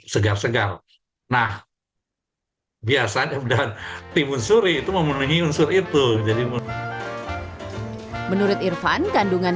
segar segar nah biasanya dan timun suri itu memenuhi unsur itu jadi menurut irfan kandungan